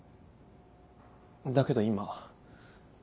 だけど今。